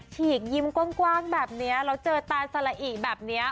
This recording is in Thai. ฉีกยิ้มกว้างแบบนี้แล้วเจอตาสละอิแบบนี้